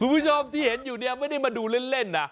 คุณผู้ชมที่เห็นอยู่เนี่ยไม่ได้มาดูเล่นนะ